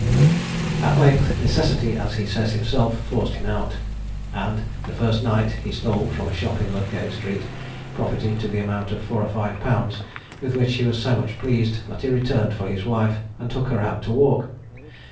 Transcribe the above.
At length, "necessity," as he says himself, forced him out; and, the first night, he stole, from a shop in Ludgate Street, property to the amount of four or five pounds, with which he was so much pleased that he returned for his wife, and took her out to walk.